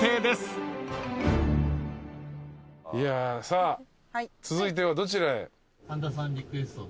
さあ続いてはどちらへ？